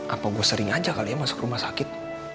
apa gue sering aja kali ya masuk rumah sakit